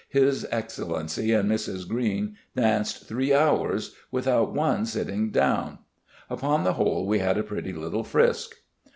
His excellency and Mrs. Greene danced three hours without one sitting down upon the whole we had a pretty little frisk".